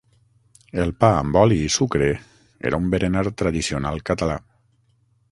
El pa amb oli i sucre era un berenar tradicional català.